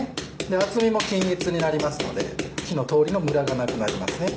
厚みも均一になりますので火の通りの無駄がなくなりますね。